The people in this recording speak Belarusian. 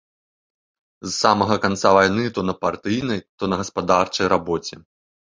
З самага канца вайны то на партыйнай, то на гаспадарчай рабоце.